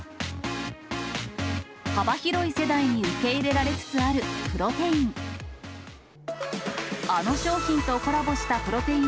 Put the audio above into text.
幅広い世代に受け入れられつつあるプロテイン。